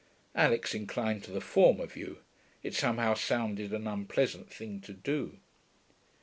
Alix inclined to the former view; it somehow sounded an unpleasant thing to do.)